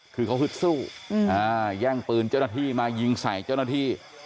คือเขาฮึดสู้แย่งปืนเจ้าหน้าที่มายิงใส่เจ้าหน้าที่